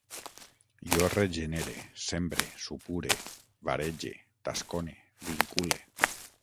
Jo regenere, sembre, supure, varege, tascone, vincule